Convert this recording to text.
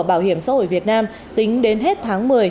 bảo hiểm xã hội việt nam tính đến hết tháng một mươi